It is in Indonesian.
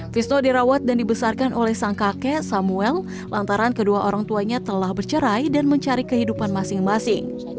visno dirawat dan dibesarkan oleh sang kakek samuel lantaran kedua orang tuanya telah bercerai dan mencari kehidupan masing masing